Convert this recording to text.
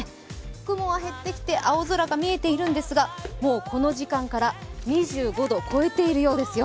雲は減ってきて青空が見えているんですがもうこの時間から２５度超えているようですよ。